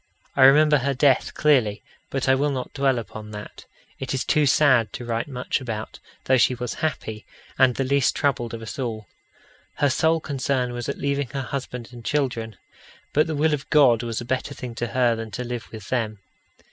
I remember her death clearly, but I will not dwell upon that. It is too sad to write much about, though she was happy, and the least troubled of us all. Her sole concern was at leaving her husband and children. But the will of God was a better thing to her than to live with them.